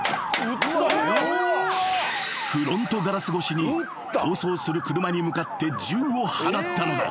［フロントガラス越しに逃走する車に向かって銃を放ったのだ］